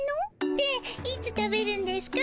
でいつ食べるんですか？